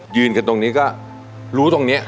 ยืนกันตรงนี้ก็รู้ตรงนี้